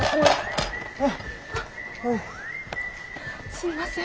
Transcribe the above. すいません！